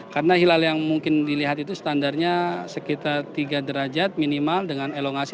karena hilal yang mungkin dilihat itu standarnya sekitar tiga derajat minimal dengan elongasi enam empat